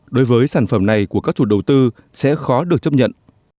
đối với sản phẩm này của các chủ đầu tư sẽ khó được chấp nhận